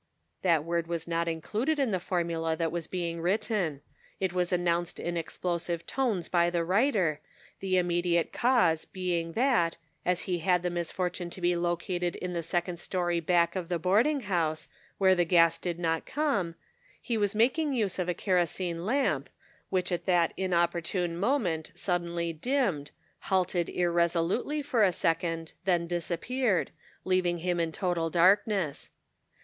" That word is not included in the formula that was being written. It was an nounced in explosive tones by the writer, the immediate cause being that, as he had the misfortune to be located in the second story back of the boarding house, where the gas did not come, he was making use of a kerosene lamp, which at that inopportune moment sud denly dimmed, halted irresolutely for a second 184 The Pocket Measure. then disappeared, leaving him in total darkness.